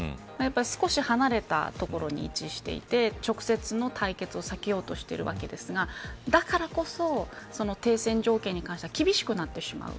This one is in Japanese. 少し離れた所に位置していて直接の対決を避けようとしているわけですがだからこそ停戦条件に関しては厳しくなってしまう。